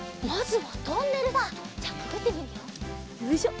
よいしょ。